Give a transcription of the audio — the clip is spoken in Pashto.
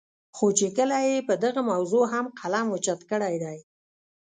خو چې کله ئې پۀ دغه موضوع هم قلم اوچت کړے دے